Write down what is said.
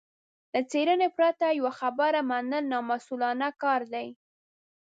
له څېړنې پرته يوه خبره منل نامسوولانه کار دی.